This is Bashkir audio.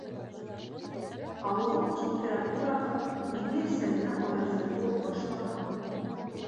Ауырыу температураһыҙ, еңелсә генә ОРЗ кеүек башлана.